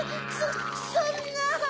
そんなぁ。